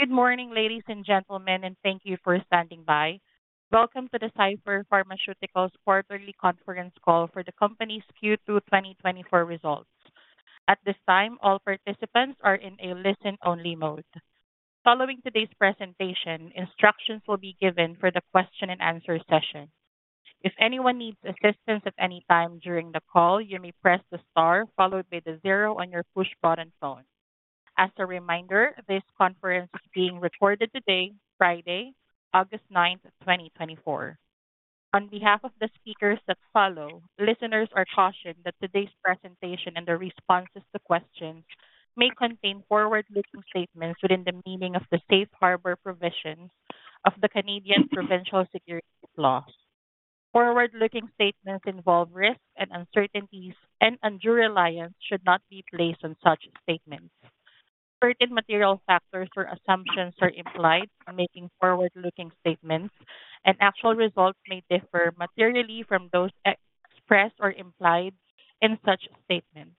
Good morning, ladies and gentlemen, and thank you for standing by. Welcome to the Cipher Pharmaceuticals quarterly conference call for the company's Q2 2024 results. At this time, all participants are in a listen-only mode. Following today's presentation, instructions will be given for the question and answer session. If anyone needs assistance at any time during the call, you may press the star followed by the zero on your push-button phone. As a reminder, this conference is being recorded today, Friday, August 9th 2024. On behalf of the speakers that follow, listeners are cautioned that today's presentation and the responses to questions may contain forward-looking statements within the meaning of the safe harbor provisions of the Canadian provincial securities laws. Forward-looking statements involve risks and uncertainties, and undue reliance should not be placed on such statements. Certain material factors or assumptions are implied in making forward-looking statements, and actual results may differ materially from those expressed or implied in such statements.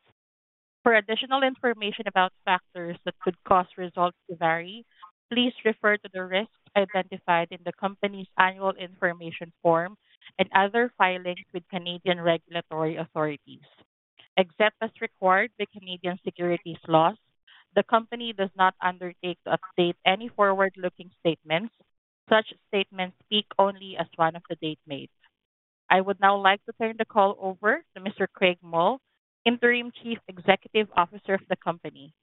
For additional information about factors that could cause results to vary, please refer to the risks identified in the company's annual information form and other filings with Canadian regulatory authorities. Except as required by Canadian securities laws, the company does not undertake to update any forward-looking statements. Such statements speak only as of the date made. I would now like to turn the call over to Mr. Craig Mull, Interim Chief Executive Officer of the company.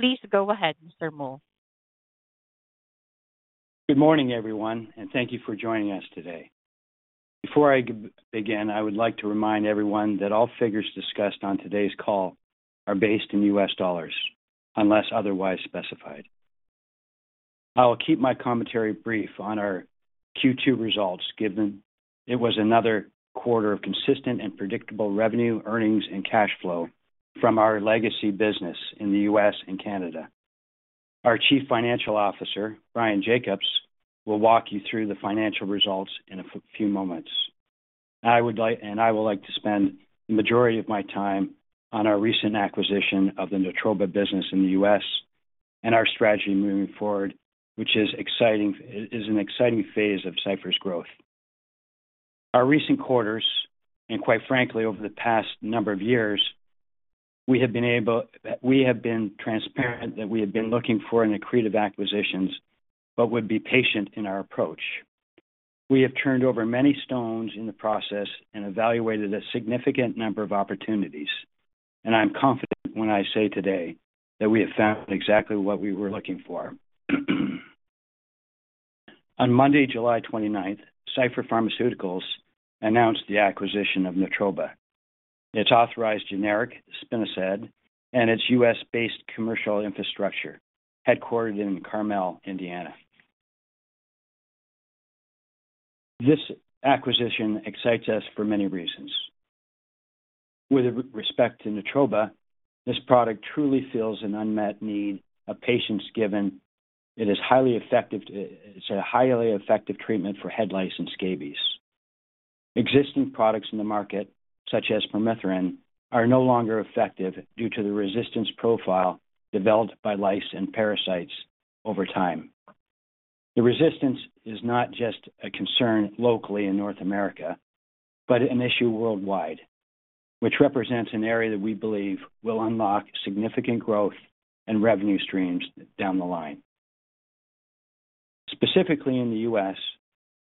Please go ahead, Mr. Mull. Good morning, everyone, and thank you for joining us today. Before I begin, I would like to remind everyone that all figures discussed on today's call are based in U.S. dollars, unless otherwise specified. I will keep my commentary brief on our Q2 results, given it was another quarter of consistent and predictable revenue, earnings, and cash flow from our legacy business in the U.S. and Canada. Our Chief Financial Officer, Bryan Jacobs, will walk you through the financial results in a few moments. I would like to spend the majority of my time on our recent acquisition of the Natroba business in the U.S. and our strategy moving forward, which is an exciting phase of Cipher's growth. Our recent quarters, and quite frankly, over the past number of years, we have been transparent that we have been looking for an accretive acquisitions but would be patient in our approach. We have turned over many stones in the process and evaluated a significant number of opportunities, and I'm confident when I say today that we have found exactly what we were looking for. On Monday, July 29th, Cipher Pharmaceuticals announced the acquisition of Natroba, its authorized generic, spinosad, and its U.S.-based commercial infrastructure, headquartered in Carmel, Indiana. This acquisition excites us for many reasons. With respect to Natroba, this product truly fills an unmet need of patients, given it is highly effective to. It's a highly effective treatment for head lice and scabies. Existing products in the market, such as permethrin, are no longer effective due to the resistance profile developed by lice and parasites over time. The resistance is not just a concern locally in North America, but an issue worldwide, which represents an area that we believe will unlock significant growth and revenue streams down the line. Specifically in the U.S.,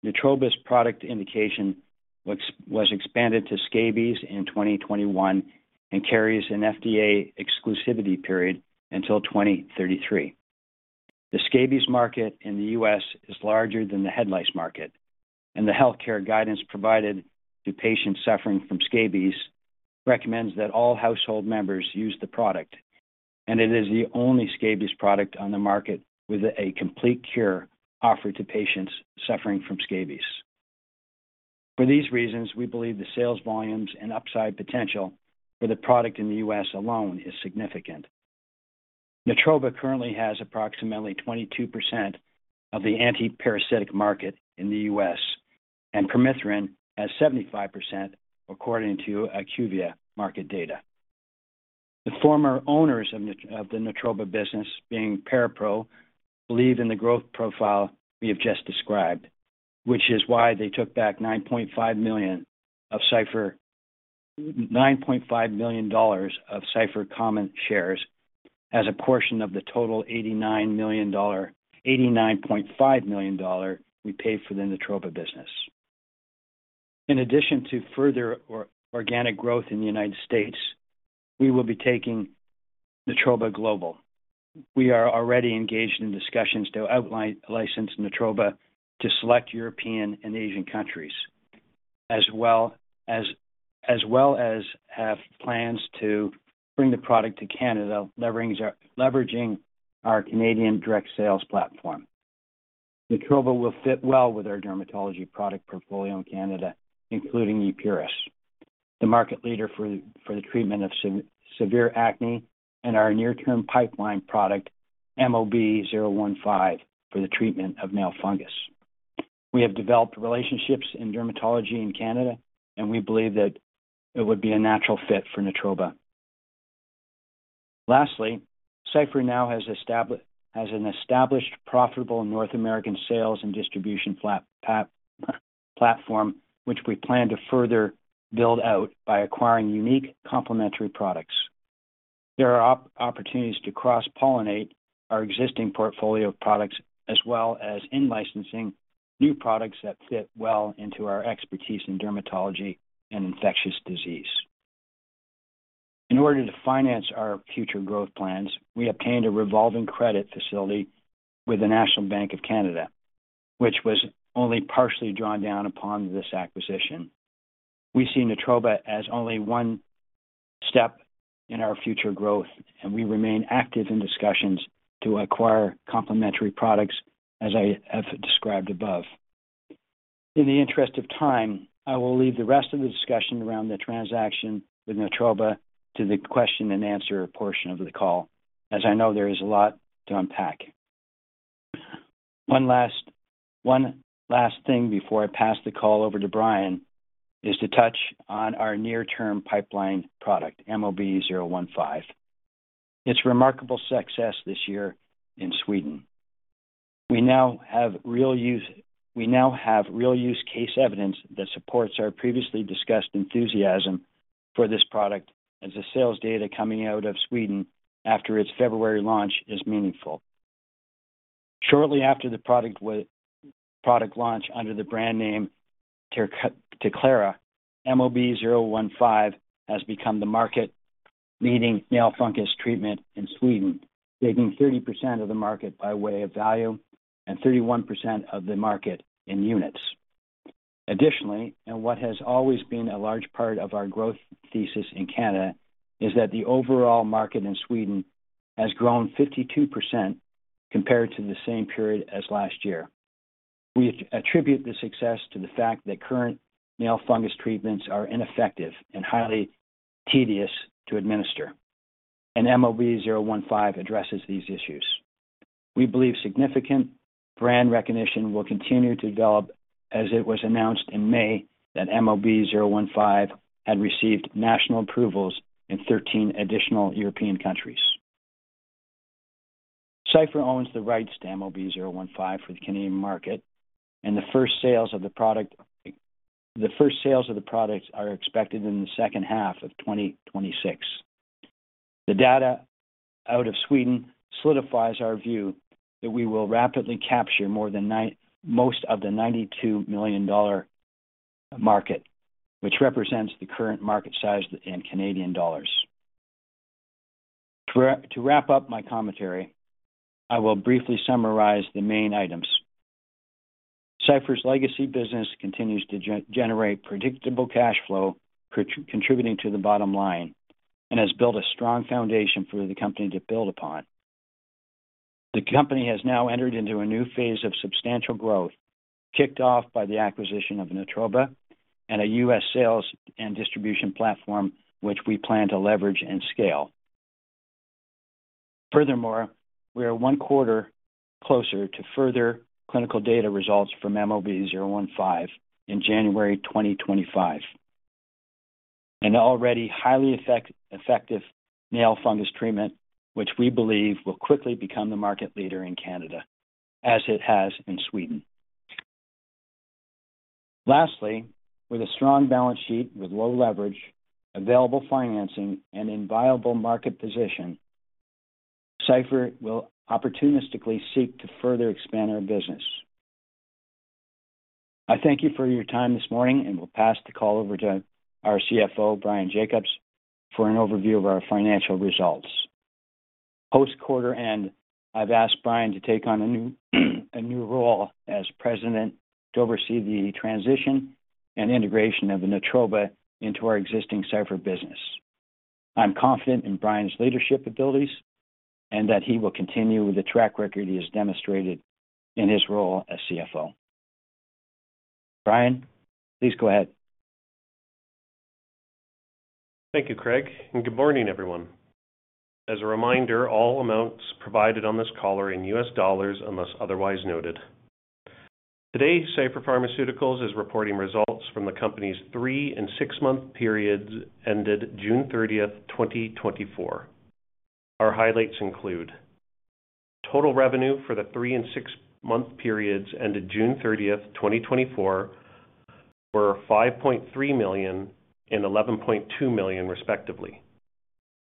Natroba's product indication was expanded to scabies in 2021 and carries an FDA exclusivity period until 2033. The scabies market in the U.S. is larger than the head lice market, and the healthcare guidance provided to patients suffering from scabies recommends that all household members use the product, and it is the only scabies product on the market with a complete cure offered to patients suffering from scabies. For these reasons, we believe the sales volumes and upside potential for the product in the U.S. alone is significant. Natroba currently has approximately 22% of the antiparasitic market in the U.S., and permethrin has 75%, according to IQVIA market data. The former owners of the Natroba business, being ParaPRO, believe in the growth profile we have just described, which is why they took back 9.5 million of Cipher, $9.5 million of Cipher common shares as a portion of the total $89 million - $89.5 million we paid for the Natroba business. In addition to further organic growth in the United States, we will be taking Natroba global. We are already engaged in discussions to out-license Natroba to select European and Asian countries, as well as have plans to bring the product to Canada, leveraging our Canadian direct sales platform. Natroba will fit well with our dermatology product portfolio in Canada, including Epuris, the market leader for the treatment of severe acne and our near-term pipeline product, MOB-015, for the treatment of nail fungus. We have developed relationships in dermatology in Canada, and we believe that it would be a natural fit for Natroba. Lastly, Cipher now has an established, profitable North American sales and distribution platform, which we plan to further build out by acquiring unique, complementary products. There are opportunities to cross-pollinate our existing portfolio of products, as well as in licensing new products that fit well into our expertise in dermatology and infectious disease. In order to finance our future growth plans, we obtained a revolving credit facility with the National Bank of Canada, which was only partially drawn down upon this acquisition. We see Natroba as only one step in our future growth, and we remain active in discussions to acquire complementary products, as I have described above. In the interest of time, I will leave the rest of the discussion around the transaction with Natroba to the question and answer portion of the call, as I know there is a lot to unpack. One last thing before I pass the call over to Bryan, is to touch on our near-term pipeline product, MOB-015. It's remarkable success this year in Sweden. We now have real use case evidence that supports our previously discussed enthusiasm for this product, as the sales data coming out of Sweden after its February launch is meaningful. Shortly after the product launch under the brand name Terclara, MOB-015 has become the market-leading nail fungus treatment in Sweden, capturing 30% of the market by way of value and 31% of the market in units. Additionally, and what has always been a large part of our growth thesis in Canada, is that the overall market in Sweden has grown 52% compared to the same period as last year. We attribute the success to the fact that current nail fungus treatments are ineffective and highly tedious to administer, and MOB-015 addresses these issues. We believe significant brand recognition will continue to develop, as it was announced in May that MOB-015 had received national approvals in 13 additional European countries. Cipher owns the rights to MOB-015 for the Canadian market, and the first sales of the product are expected in the second half of 2026. The data out of Sweden solidifies our view that we will rapidly capture more than most of the 92 million dollar market, which represents the current market size in Canadian dollars. To wrap up my commentary, I will briefly summarize the main items. Cipher's legacy business continues to generate predictable cash flow, contributing to the bottom line and has built a strong foundation for the company to build upon. The company has now entered into a new phase of substantial growth, kicked off by the acquisition of Natroba and a U.S. sales and distribution platform, which we plan to leverage and scale. Furthermore, we are one quarter closer to further clinical data results from MOB-015 in January 2025. An already highly effective nail fungus treatment, which we believe will quickly become the market leader in Canada, as it has in Sweden. Lastly, with a strong balance sheet, with low leverage, available financing and inviolable market position, Cipher will opportunistically seek to further expand our business. I thank you for your time this morning, and will pass the call over to our CFO, Bryan Jacobs, for an overview of our financial results. Post quarter end, I've asked Bryan to take on a new role as president to oversee the transition and integration of the Natroba into our existing Cipher business. I'm confident in Bryan's leadership abilities and that he will continue the track record he has demonstrated in his role as CFO. Bryan, please go ahead. Thank you, Craig, and good morning, everyone. As a reminder, all amounts provided on this call are in U.S. dollars, unless otherwise noted. Today, Cipher Pharmaceuticals is reporting results from the company's three- and six-month periods ended June 30th 2024. Our highlights include: Total revenue for the three- and six-month periods ended June 30th 2024, were $5.3 million and $11.2 million, respectively.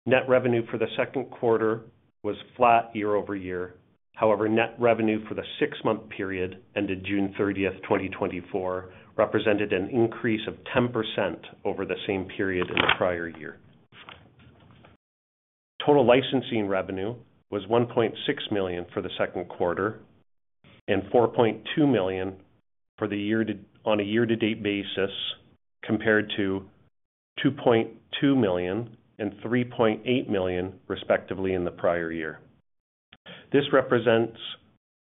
Net revenue for the second quarter was flat year-over-year. However, net revenue for the six-month period ended June 30th 2024, represented an increase of 10% over the same period in the prior year. Total licensing revenue was $1.6 million for the second quarter and $4.2 million for the year to. On a year-to-date basis, compared to $2.2 million and $3.8 million, respectively, in the prior year. This represents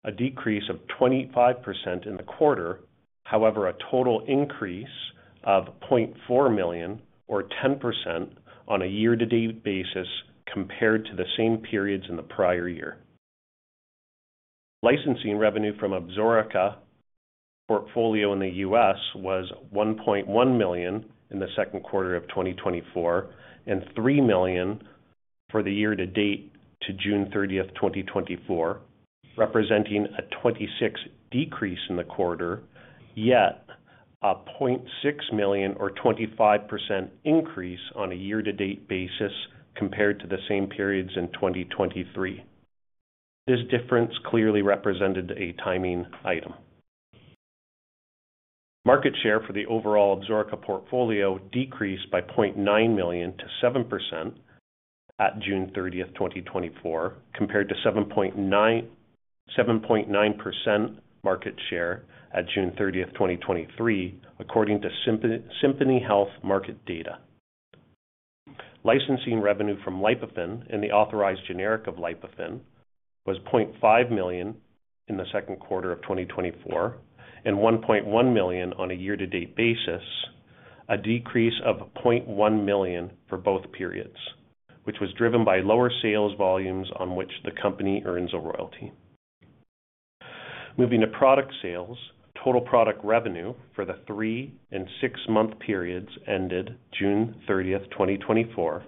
a decrease of 25% in the quarter. However, a total increase of $0.4 million, or 10% on a year-to-date basis compared to the same periods in the prior year. Licensing revenue from Absorica portfolio in the U.S. was $1.1 million in the second quarter of 2024, and $3 million for the year-to-date to June 30th 2024, representing a 26% decrease in the quarter, yet a $0.6 million or 25% increase on a year-to-date basis compared to the same periods in 2023. This difference clearly represented a timing item. Market share for the overall Absorica portfolio decreased by 0.9 million to 7% at June 30th 2024, compared to 7.9, 7.9% market share at June 30th 2023, according to Symphony Health Market Data. Licensing revenue from Lipofen and the authorized generic of Lipofen was $0.5 million in the second quarter of 2024, and $1.1 million on a year-to-date basis, a decrease of $0.1 million for both periods, which was driven by lower sales volumes on which the company earns a royalty. Moving to product sales. Total product revenue for the three- and six-month periods ended June 30th 2024,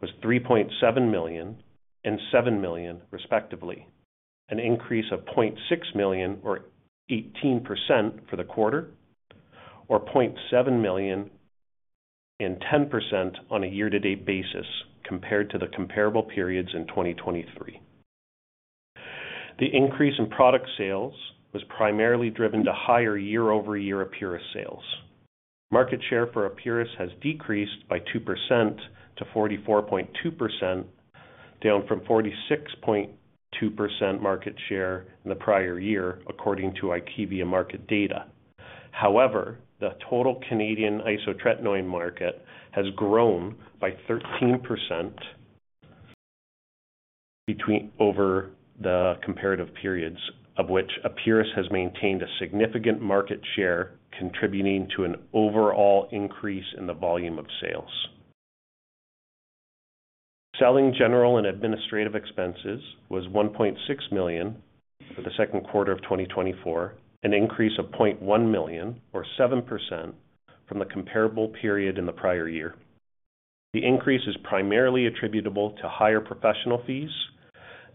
was $3.7 million and $7 million, respectively, an increase of $0.6 million or 18% for the quarter, or $0.7 million and 10% on a year-to-date basis compared to the comparable periods in 2023. The increase in product sales was primarily driven to higher year-over-year Epuris sales. Market share for Epuris has decreased by 2% to 44.2%, down from 46.2% market share in the prior year, according to IQVIA Market Data. However, the total Canadian isotretinoin market has grown by 13% over the comparative periods, of which Epuris has maintained a significant market share, contributing to an overall increase in the volume of sales. Selling general and administrative expenses was $1.6 million for the second quarter of 2024, an increase of $0.1 million, or 7%, from the comparable period in the prior year. The increase is primarily attributable to higher professional fees,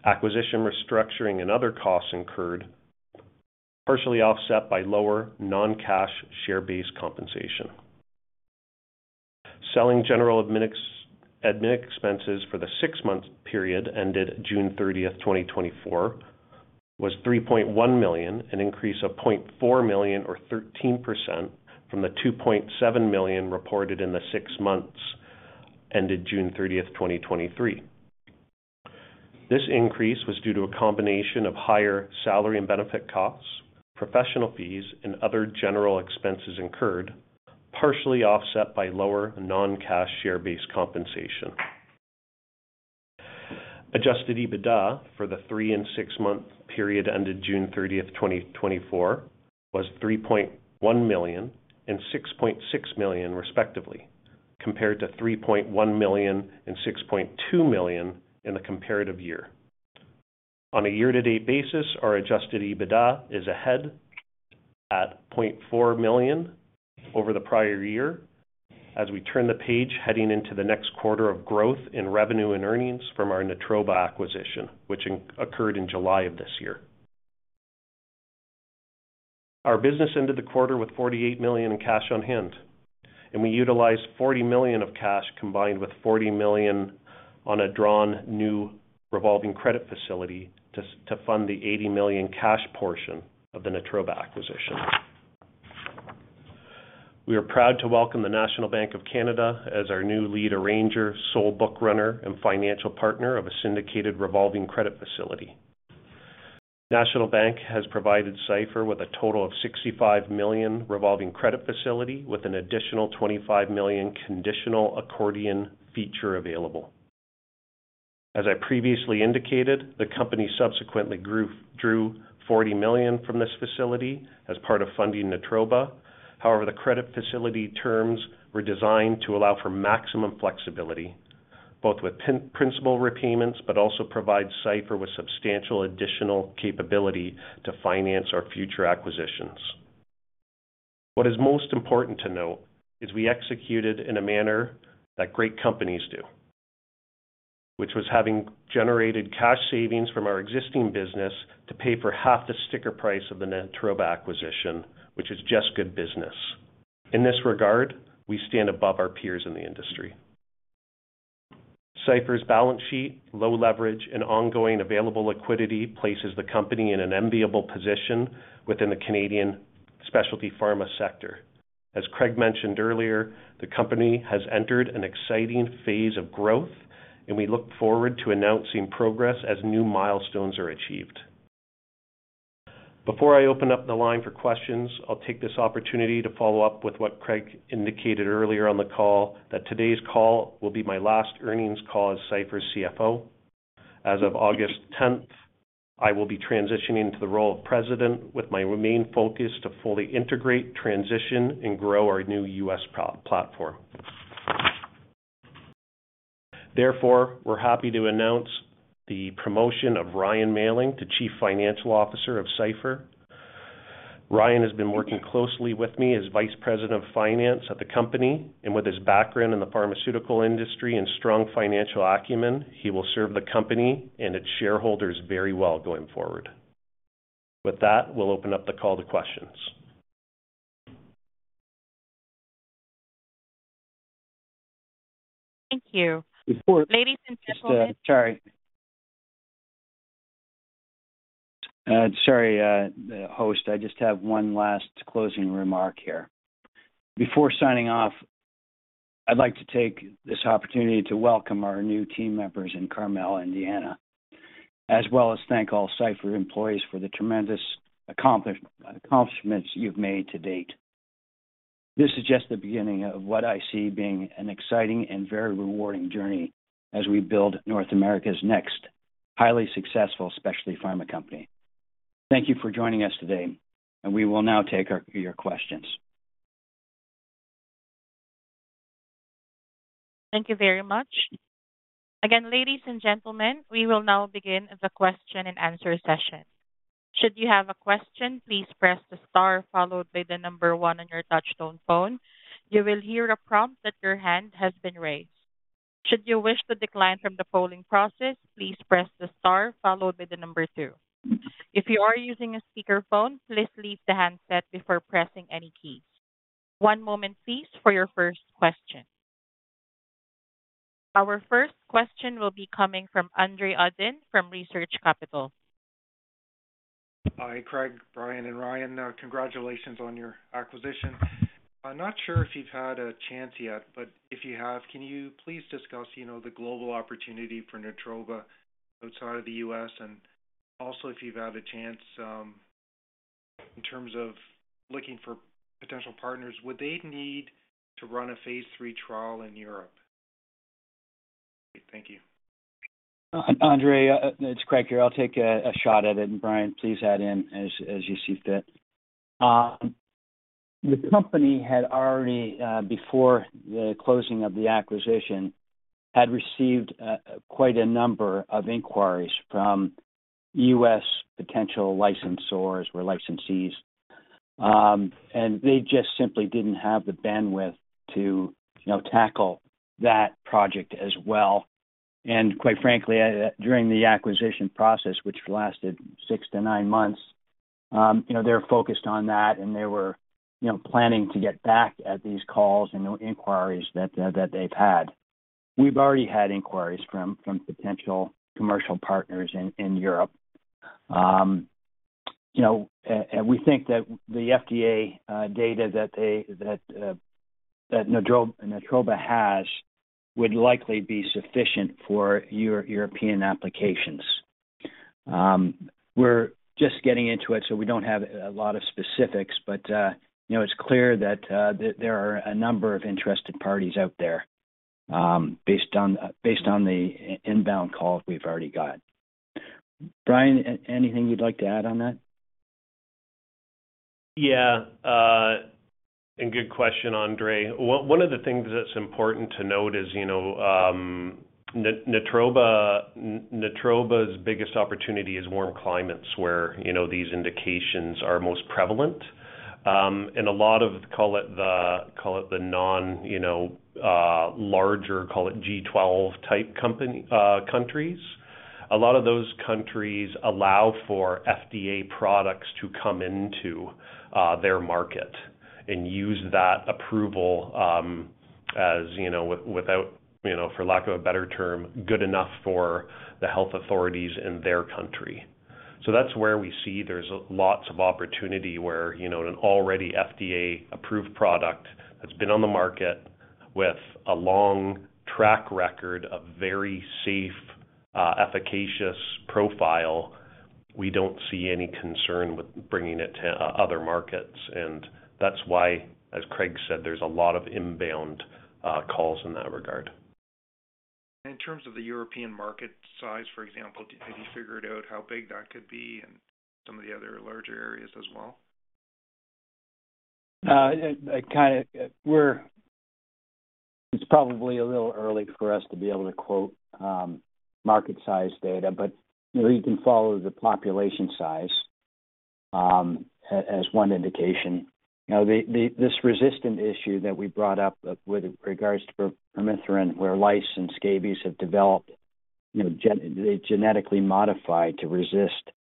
acquisition, restructuring, and other costs incurred, partially offset by lower non-cash share-based compensation. Selling, general and administrative expenses for the six-month period ended June 30th 2024, was $3.1 million, an increase of $0.4 million, or 13%, from the $2.7 million reported in the six months ended June 30th 2023. This increase was due to a combination of higher salary and benefit costs, professional fees, and other general expenses incurred, partially offset by lower non-cash share-based compensation. Adjusted EBITDA for the three and six-month period ended June 30th 2024, was $3.1 million and $6.6 million, respectively, compared to $3.1 million and $6.2 million in the comparative year. On a year-to-date basis, our Adjusted EBITDA is ahead at $0.4 million over the prior year as we turn the page, heading into the next quarter of growth in revenue and earnings from our Natroba acquisition, which occurred in July of this year. Our business ended the quarter with $48 million in cash on hand, and we utilized $40 million of cash, combined with $40 million drawn on a new revolving credit facility to fund the $80 million cash portion of the Natroba acquisition. We are proud to welcome the National Bank of Canada as our new lead arranger, sole book runner, and financial partner of a syndicated revolving credit facility. National Bank has provided Cipher with a total of $65 million revolving credit facility, with an additional $25 million conditional accordion feature available. As I previously indicated, the company subsequently drew $40 million from this facility as part of funding Natroba. However, the credit facility terms were designed to allow for maximum flexibility, both with principal repayments, but also provide Cipher with substantial additional capability to finance our future acquisitions. What is most important to note is we executed in a manner that great companies do, which was having generated cash savings from our existing business to pay for half the sticker price of the Natroba acquisition, which is just good business. In this regard, we stand above our peers in the industry. Cipher's balance sheet, low leverage, and ongoing available liquidity places the company in an enviable position within the Canadian specialty pharma sector. As Craig mentioned earlier, the company has entered an exciting phase of growth, and we look forward to announcing progress as new milestones are achieved. Before I open up the line for questions, I'll take this opportunity to follow up with what Craig indicated earlier on the call, that today's call will be my last earnings call as Cipher's CFO. As of August 10th, I will be transitioning to the role of president, with my main focus to fully integrate, transition, and grow our new U.S. pro- platform. Therefore, we're happy to announce the promotion of Ryan Mailling to Chief Financial Officer of Cipher. Ryan has been working closely with me as Vice President of Finance at the company, and with his background in the pharmaceutical industry and strong financial acumen, he will serve the company and its shareholders very well going forward. With that, we'll open up the call to questions. Thank you. Ladies and gentlemen- Sorry. Sorry, the host, I just have one last closing remark here. Before signing off, I'd like to take this opportunity to welcome our new team members in Carmel, Indiana, as well as thank all Cipher employees for the tremendous accomplishments you've made to date. This is just the beginning of what I see being an exciting and very rewarding journey as we build North America's next highly successful specialty pharma company. Thank you for joining us today, and we will now take your questions. Thank you very much. Again, ladies and gentlemen, we will now begin the question and answer session. Should you have a question, please press the star followed by the number one on your touchtone phone. You will hear a prompt that your hand has been raised. Should you wish to decline from the polling process, please press the star followed by the number two. If you are using a speakerphone, please leave the handset before pressing any keys. One moment, please, for your first question. Our first question will be coming from Andre Uddin from Research Capital. Hi, Craig, Bryan, and Ryan. Congratulations on your acquisition. I'm not sure if you've had a chance yet, but if you have, can you please discuss, you know, the global opportunity for Natroba outside of the U.S.? And also, if you've had a chance, in terms of looking for potential partners, would they need to run a phase III trial in Europe? Thank you. Andre, it's Craig here. I'll take a shot at it, and, Bryan, please add in as you see fit. The company had already, before the closing of the acquisition, had received quite a number of inquiries from U.S. potential licensors or licensees. They just simply didn't have the bandwidth to, you know, tackle that project as well. Quite frankly, during the acquisition process, which lasted six to nine months, you know, they're focused on that, and they were, you know, planning to get back at these calls and the inquiries that they've had. We've already had inquiries from potential commercial partners in Europe. You know, we think that the FDA data that Natroba has would likely be sufficient for European applications. We're just getting into it, so we don't have a lot of specifics, but, you know, it's clear that there are a number of interested parties out there, based on the inbound calls we've already got. Bryan, anything you'd like to add on that? Yeah, and good question, Andre. One of the things that's important to note is, you know, Natroba, Natroba's biggest opportunity is warm climates where, you know, these indications are most prevalent. And a lot of, call it the, call it the non, you know, larger, call it G-12 type company, countries. A lot of those countries allow for FDA products to come into, their market and use that approval, as you know, without, you know, for lack of a better term, good enough for the health authorities in their country. So that's where we see there's a lots of opportunity where, you know, an already FDA-approved product that's been on the market with a long track record of very safe, efficacious profile. We don't see any concern with bringing it to other markets, and that's why, as Craig said, there's a lot of inbound calls in that regard. In terms of the European market size, for example, have you figured out how big that could be and some of the other larger areas as well? It's probably a little early for us to be able to quote market size data, but, you know, you can follow the population size as one indication. Now, this resistant issue that we brought up with regards to permethrin, where lice and scabies have developed, you know, they genetically modified to resist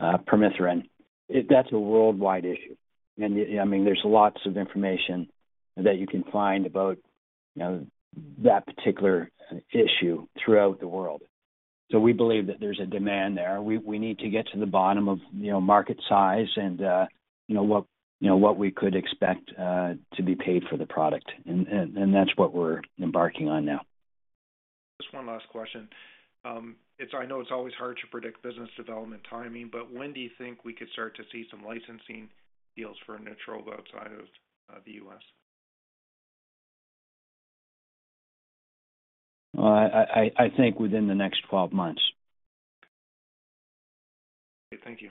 permethrin. That's a worldwide issue. And, I mean, there's lots of information that you can find about, you know, that particular issue throughout the world. So we believe that there's a demand there. We need to get to the bottom of, you know, market size and, you know, what we could expect to be paid for the product. And that's what we're embarking on now. Just one last question. It's, I know, it's always hard to predict business development timing, but when do you think we could start to see some licensing deals for Natroba outside of the U.S.? Well, I think within the next 12 months. Thank you.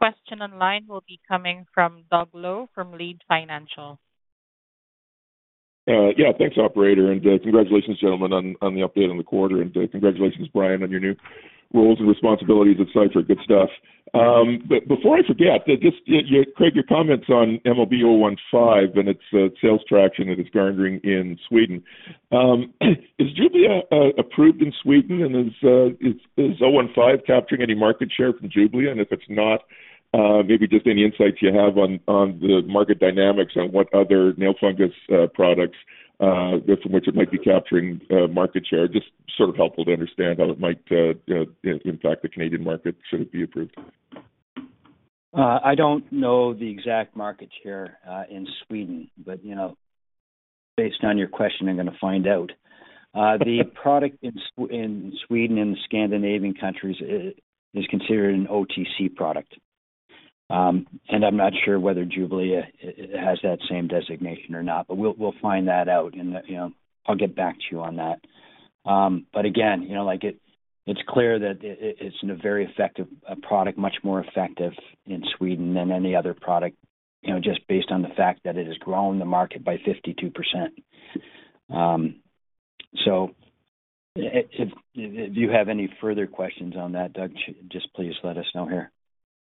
Next question online will be coming from Doug Loe, from Leede Financial. Yeah, thanks, operator, and congratulations, gentlemen, on the update on the quarter, and congratulations, Bryan, on your new roles and responsibilities at Cipher. Good stuff. But before I forget, just Craig, your comments on MOB-015 and its sales traction that it's garnering in Sweden. Is Jublia approved in Sweden, and is 015 capturing any market share from Jublia? And if it's not, maybe just any insights you have on the market dynamics on what other nail fungus products from which it might be capturing market share. Just sort of helpful to understand how it might, you know, impact the Canadian market, should it be approved. I don't know the exact market share in Sweden, but, you know, based on your question, I'm gonna find out. The product in Sweden and the Scandinavian countries is considered an OTC product. And I'm not sure whether Jublia has that same designation or not, but we'll find that out, and, you know, I'll get back to you on that. But again, you know, like, it's clear that it's a very effective product, much more effective in Sweden than any other product, you know, just based on the fact that it has grown the market by 52%. So if you have any further questions on that, Doug, just please let us know here.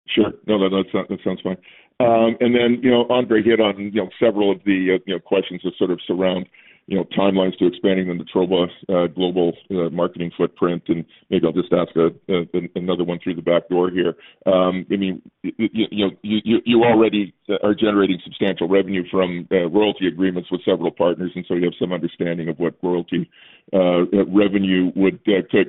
Sure. No, no, that, that sounds fine. And then, you know, Andre hit on, you know, several of the, you know, questions that sort of surround, you know, timelines to expanding the Natroba global marketing footprint, and maybe I'll just ask another one through the back door here. I mean, you know, you already are generating substantial revenue from royalty agreements with several partners, and so you have some understanding of what royalty revenue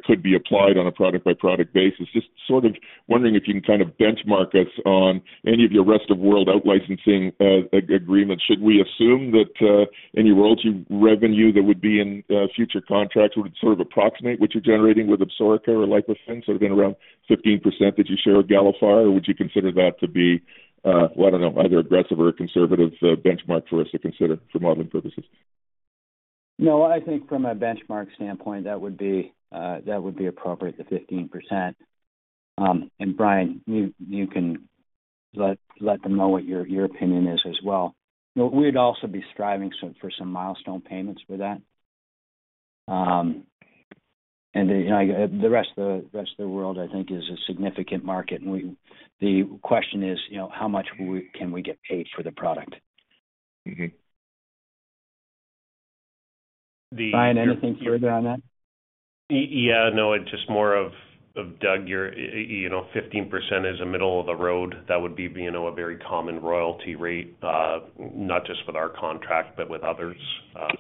could be applied on a product-by-product basis. Just sort of wondering if you can kind of benchmark us on any of your rest-of-world out licensing agreements. Should we assume that, any royalty revenue that would be in, future contracts would sort of approximate what you're generating with Absorica or Lipofen, sort of in around 15% that you share with Galephar? Or would you consider that to be, I don't know, either aggressive or a conservative, benchmark for us to consider for modeling purposes? No, I think from a benchmark standpoint, that would be appropriate, the 15%. And Bryan, you can let them know what your opinion is as well. But we'd also be striving so for some milestone payments for that. And, you know, the rest of the world, I think, is a significant market, and we—the question is, you know, how much we can get paid for the product? Mm-hmm. Bryan, anything further on that? Yeah, no, just more of Doug, you're you know, 15% is a middle-of-the-road. That would be, you know, a very common royalty rate,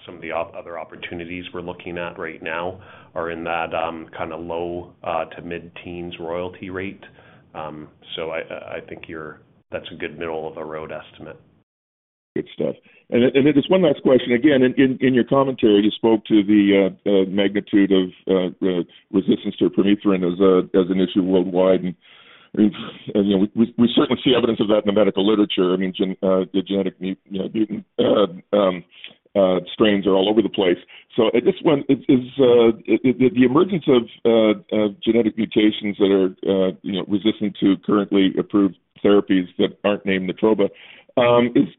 some of the other opportunities we're looking at right now are in that kind of low- to mid-teens royalty rate. So I think you're. That's a good middle-of-the-road estimate. Good stuff. And just one last question. Again, in your commentary, you spoke to the magnitude of resistance to permethrin as an issue worldwide, and, you know, we certainly see evidence of that in the medical literature. I mean, the genetic mutations, you know, strains are all over the place. So, is the emergence of genetic mutations that are, you know, resistant to currently approved therapies that aren't named Natroba,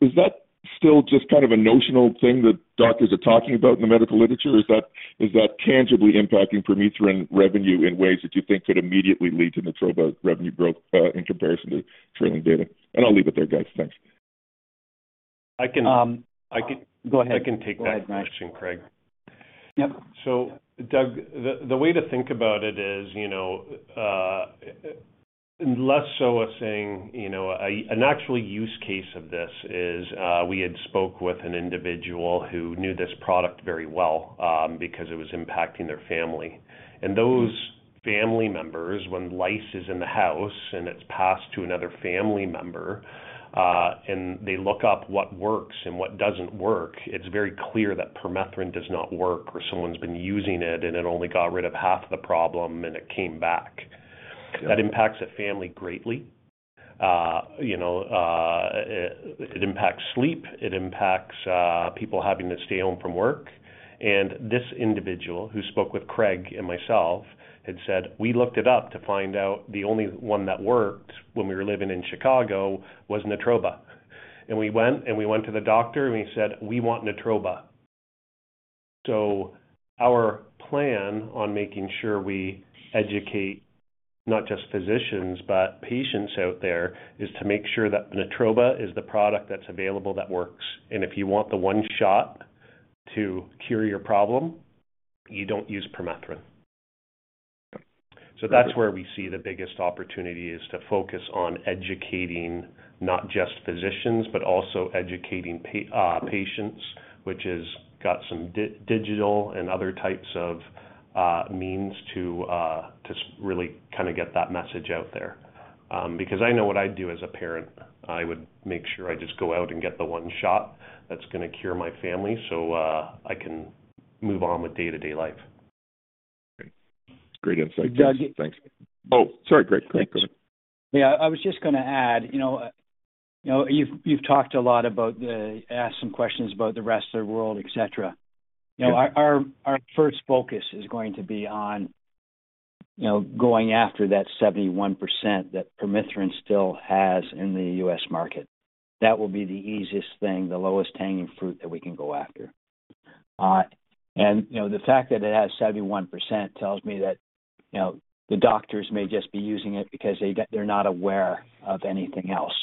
is that still just kind of a notional thing that doctors are talking about in the medical literature, or is that tangibly impacting permethrin revenue in ways that you think could immediately lead to Natroba revenue growth, in comparison to trailing data? And I'll leave it there, guys. Thanks. I can- I can- Go ahead. I can take that question, Craig. Yep. So, Doug, the way to think about it is, you know, less so a saying, you know, an actual use case of this is, we had spoke with an individual who knew this product very well, because it was impacting their family. And those family members, when lice is in the house and it's passed to another family member, and they look up what works and what doesn't work, it's very clear that permethrin does not work, or someone's been using it, and it only got rid of half the problem, and it came back. Yeah. That impacts a family greatly. You know, it, it impacts sleep, it impacts people having to stay home from work. And this individual, who spoke with Craig and myself, had said, "We looked it up to find out the only one that worked when we were living in Chicago was Natroba. And we went, and we went to the doctor, and we said, 'We want Natroba.'" So our plan on making sure we educate not just physicians, but patients out there, is to make sure that Natroba is the product that's available that works. And if you want the one shot to cure your problem, you don't use permethrin. So that's where we see the biggest opportunity, is to focus on educating not just physicians, but also educating patients, which has got some digital and other types of means to really kind of get that message out there. Because I know what I'd do as a parent. I would make sure I just go out and get the one shot that's gonna cure my family, so I can move on with day-to-day life. Great insight, Doug. Thanks. Oh, sorry, Craig. Go ahead. Yeah, I was just gonna add, you know, you've, you've talked a lot about the, asked some questions about the rest of the world, et cetera. You know, our, our first focus is going to be on, you know, going after that 71% that permethrin still has in the U.S. market. That will be the easiest thing, the lowest hanging fruit that we can go after. And, you know, the fact that it has 71% tells me that, you know, the doctors may just be using it because they, they're not aware of anything else.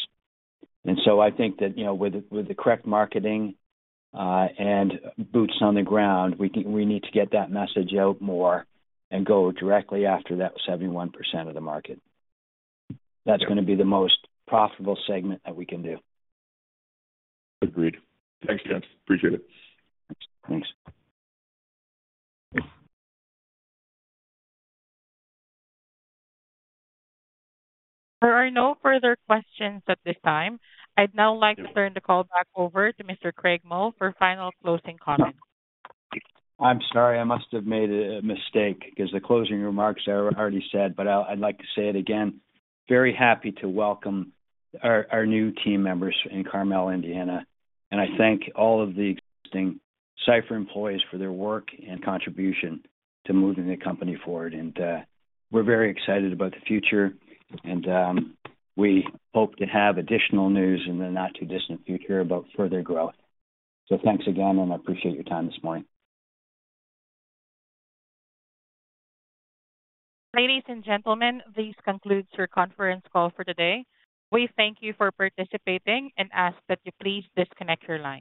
And so I think that, you know, with, with the correct marketing, and boots on the ground, we, we need to get that message out more and go directly after that 71% of the market. That's gonna be the most profitable segment that we can do. Agreed. Thanks, Doug. Appreciate it. Thanks. There are no further questions at this time. I'd now like to turn the call back over to Mr. Craig Mull for final closing comments. I'm sorry. I must have made a mistake, because the closing remarks are already said, but I'd like to say it again. Very happy to welcome our new team members in Carmel, Indiana, and I thank all of the existing Cipher employees for their work and contribution to moving the company forward. And we're very excited about the future, and we hope to have additional news in the not-too-distant future about further growth. So thanks again, and I appreciate your time this morning. Ladies and gentlemen, this concludes your conference call for today. We thank you for participating and ask that you please disconnect your line.